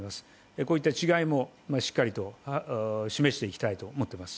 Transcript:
こういった違いもしっかりと示していきたいと思っております。